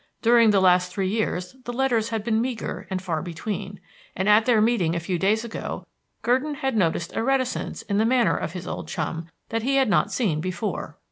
During the last three years the letters had been meagre and far between; and at their meeting a few days ago, Gurdon had noticed a reticence in the manner of his old chum that he had not seen before.